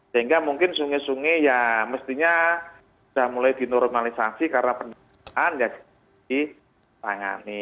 sehingga mungkin sungai sungai ya mestinya sudah mulai dinormalisasi karena penanganan yang di tangani